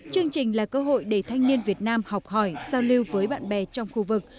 chương trình là cơ hội để thanh niên việt nam học hỏi giao lưu với bạn bè trong khu vực